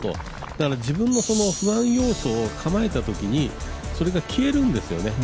だから自分の不安要素を構えたときにそれが消えるんですよね。